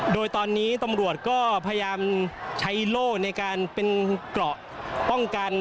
โดยตอนนี้ตำรวจก็พยายามใช้โล่ในการเป็นเกราะป้องกัน